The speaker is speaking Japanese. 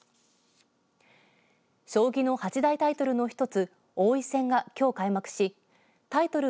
将棋の八大タイトルの１つ王位戦が、きょう開幕しタイトル